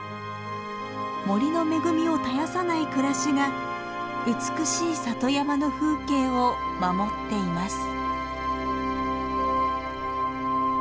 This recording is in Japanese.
森の恵みを絶やさない暮らしが美しい里山の風景を守っています。